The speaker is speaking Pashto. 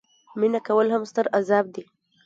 مینه کول هم ستر عذاب دي.